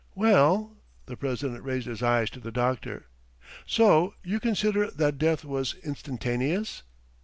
... Well?" the president raised his eyes to the doctor. "So you consider that death was instantaneous?"